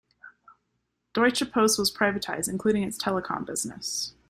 Deutsche Post was privatised, including its Telecom business.